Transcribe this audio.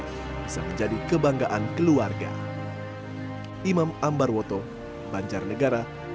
bisa menjadi kebanggaan keluarga